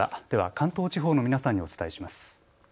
関東地方の皆さんにお伝えします。